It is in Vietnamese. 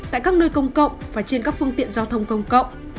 tại các nơi công cộng và trên các phương tiện giao thông công cộng